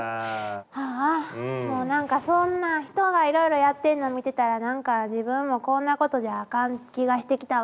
ああもう何かそんなん人がいろいろやってんの見てたら何か自分もこんなことじゃあかん気がしてきたわ。